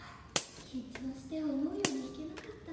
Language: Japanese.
緊張して思うように弾けなかった。